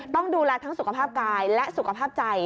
ต้องดูแลทั้งสุขภาพกายและสุขภาพใจ